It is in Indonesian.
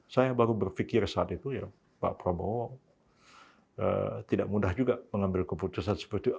saya baru berpikir saat itu ya pak prabowo tidak mudah juga mengambil keputusan seperti itu